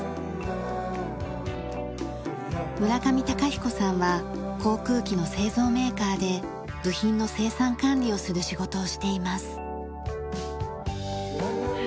村上敬彦さんは航空機の製造メーカーで部品の生産管理をする仕事をしています。